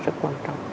rất quan trọng